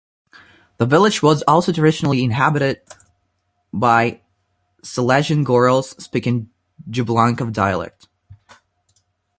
The village was also traditionally inhabited by Silesian Gorals, speaking Jablunkov dialect.